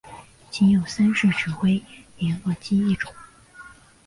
仅有三式指挥连络机一种。